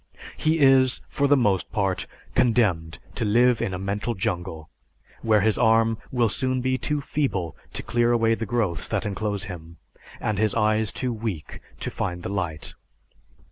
He is, for the most part, condemned to live in a mental jungle where his arm will soon be too feeble to clear away the growths that enclose him, and his eyes too weak to find the light."